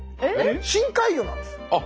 深海魚なんです。